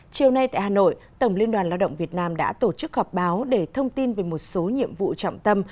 chiều nay tại hà nội tổng liên đoàn lao động việt nam đã tổ chức họp báo để thông tin về một số nhiệm vụ trọng tâm